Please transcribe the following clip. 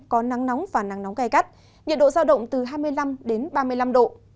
có nắng nóng và nắng nóng gai gắt nhiệt độ giao động từ hai mươi năm đến ba mươi năm độ